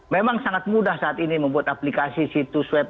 memang sangat mudah saat ini membuat aplikasi situs web